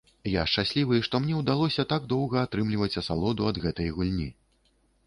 Я шчаслівы, што мне ўдалося так доўга атрымліваць асалоду ад гэтай гульні!